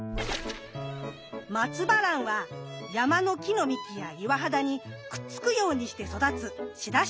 マツバランは山の木の幹や岩肌にくっつくようにして育つシダ植物。